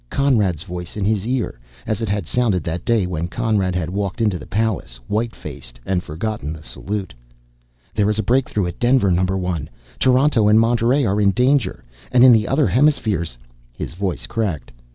Conrad's voice in his ear, as it had sounded that day when Conrad had walked into the palace, white faced, and forgotten the salute. "There is a breakthrough at Denver, Number One! Toronto and Monterey are in danger. And in the other hemispheres " His voice cracked.